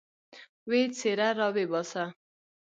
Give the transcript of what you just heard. ويې څيره راويې باسه.